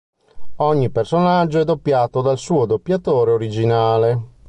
Ogni personaggio è doppiato dal suo doppiatore originale.